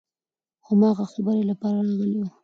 هماغه خبرې لپاره راغلي وو.